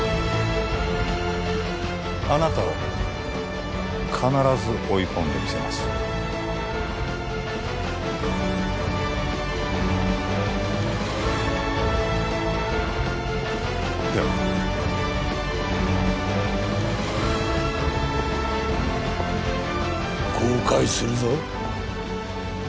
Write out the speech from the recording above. あなたを必ず追い込んでみせますでは後悔するぞ